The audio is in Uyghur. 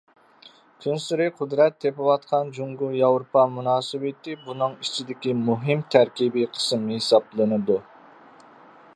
كۈنسېرى قۇدرەت تېپىۋاتقان جۇڭگو ياۋروپا مۇناسىۋىتى بۇنىڭ ئىچىدىكى مۇھىم تەركىبىي قىسىم ھېسابلىنىدۇ.